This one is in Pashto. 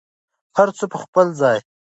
هر څه په خپل ځای.